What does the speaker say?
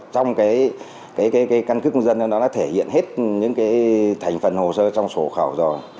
trong căn cứ công dân nó thể hiện hết những thành phần hồ sơ trong sổ khẩu rồi